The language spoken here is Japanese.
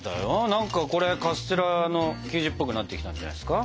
何かこれカステラの生地っぽくなってきたんじゃないですか？